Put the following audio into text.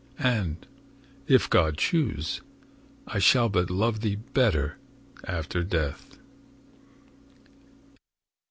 —and, if God choose, I shall but love thee better after death.